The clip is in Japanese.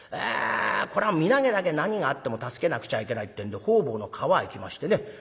これは身投げだけは何があっても助けなくちゃいけないってんで方々の川へ行きましてね